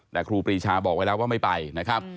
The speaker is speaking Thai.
แต่ครูปรีชาบอกไว้แล้วว่าไม่ไปนะครับ